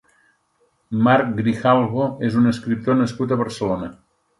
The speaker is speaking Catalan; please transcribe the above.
Marc Grijalvo és un escriptor nascut a Barcelona.